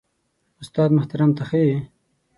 استاد محترم ته ښه يې؟